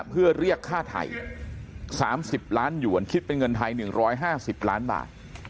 เพื่อเรียกค่าไทย๓๐ล้านหยวนคิดเป็นเงินไทย๑๕๐ล้านบาท